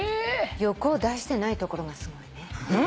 欲を出してないところがすごいね。